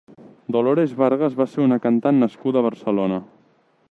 Dolores Vargas va ser una cantant nascuda a Barcelona.